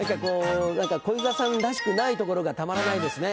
小遊三さんらしくないところがたまらないですね。